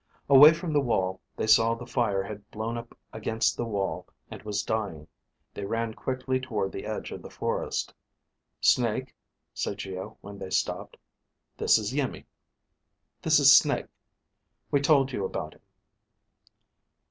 Away from the wall, they saw the fire had blown up against the wall and was dying. They ran quickly toward the edge of the forest. "Snake," said Geo when they stopped. "This is Iimmi, this is Snake. We told you about him."